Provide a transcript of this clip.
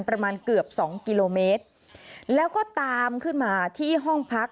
ประมาณเกือบสองกิโลเมตรแล้วก็ตามขึ้นมาที่ห้องพัก